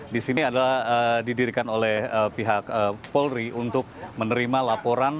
di sini adalah didirikan oleh pihak polri untuk menerima laporan